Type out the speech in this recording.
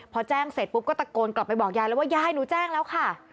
พอแจ้งเสร็จปุ๊บก็ตะโกนกลับไปบอกยายแล้วว่ายายหนูแจ้งแล้วค่ะ